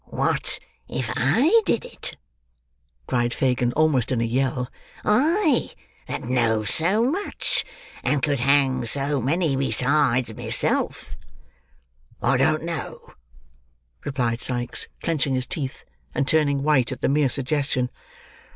"What if I did it!" cried Fagin almost in a yell. "I, that knows so much, and could hang so many besides myself!" "I don't know," replied Sikes, clenching his teeth and turning white at the mere suggestion.